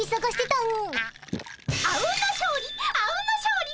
あうんの勝利！